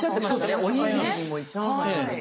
おにぎりにもチャーハンにもいい。